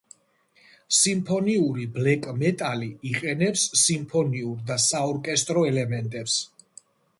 სიმფონიური ბლეკ-მეტალი იყენებს სიმფონიურ და საორკესტრო ელემენტებს.